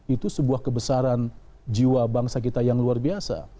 itu sebuah kebesaran jiwa bangsa kita yang luar biasa